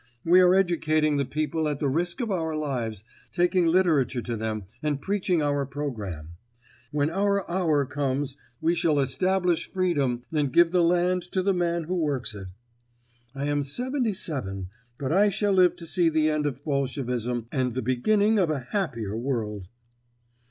We are educating the people at the risk of our lives, taking literature to them and preaching our program. When our hour comes, we shall establish freedom and give the land to the man who works it. I am seventy seven, but I shall live to see the end of Bolshevism and the beginning of a happier world."